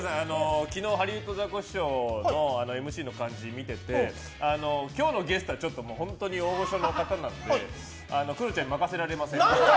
昨日ハリウッドザコシショウのＭＣの感じを見てて今日のゲストは本当に大御所の方なので何だよ！